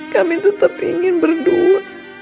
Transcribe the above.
kami tetap ingin berdua